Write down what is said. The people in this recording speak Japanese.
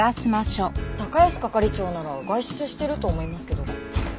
高安係長なら外出してると思いますけど。